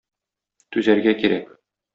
Түзәргә кирәк.